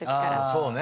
そうね。